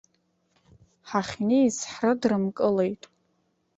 Ҳахьнеиз ҳрыдрымкылеит!